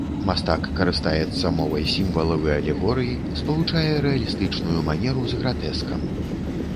Мастак карыстаецца мовай сімвалаў і алегорый, спалучае рэалістычную манеру з гратэскам.